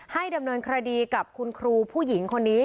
ดำเนินคดีกับคุณครูผู้หญิงคนนี้